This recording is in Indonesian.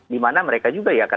di mana mereka juga ya